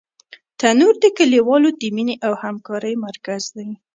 تنور د کلیوالو د مینې او همکارۍ مرکز دی